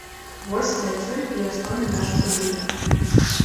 Вось адсюль і асноўны наша прыбытак.